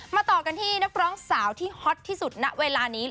ต่อกันที่นักร้องสาวที่ฮอตที่สุดณเวลานี้